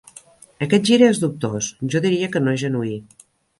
Aquest gir és dubtós: jo diria que no és genuí.